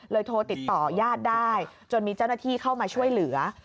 โทรติดต่อญาติได้จนมีเจ้าหน้าที่เข้ามาช่วยเหลือ